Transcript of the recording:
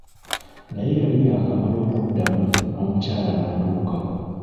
Naye yali yaakamala okuddamu, n'omukyala n'atuuka.